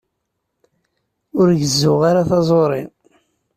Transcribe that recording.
Ur gezzuɣ ara taẓuri.